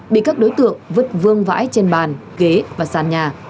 bị các đối tượng vứt vương vãi trên bàn ghế và sàn nhà